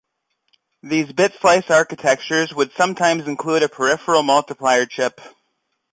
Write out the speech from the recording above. These bit slice architectures would sometimes include a peripheral multiplier chip.